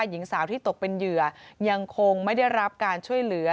หญิงสาวที่ตกเป็นเหยื่อยังคงไม่ได้รับการช่วยเหลือ